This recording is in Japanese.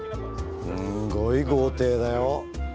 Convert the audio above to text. すんごい豪邸だよ。